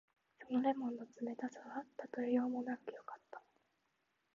その檸檬の冷たさはたとえようもなくよかった。